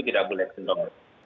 tidak boleh dihitung